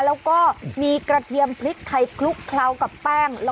แล้วก็มีกระเทียมพริกไทยคลุกเคล้ากับแป้ง